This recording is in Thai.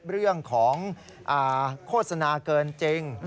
เรื่องของโฆษณาเกินจริง